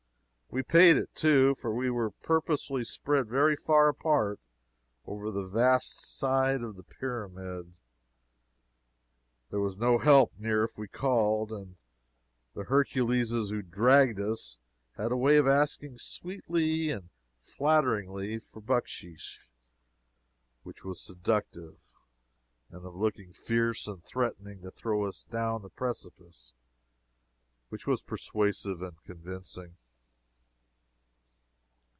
We paid it, too, for we were purposely spread very far apart over the vast side of the Pyramid. There was no help near if we called, and the Herculeses who dragged us had a way of asking sweetly and flatteringly for bucksheesh, which was seductive, and of looking fierce and threatening to throw us down the precipice, which was persuasive and convincing.